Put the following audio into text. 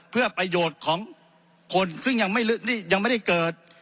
เพื่อประโยชน์ของคนซึ่งยังไม่ได้เกิด